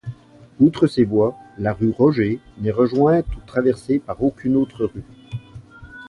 Outre ces voies, la rue Roger n'est rejointe ou traversée par aucune autre rue.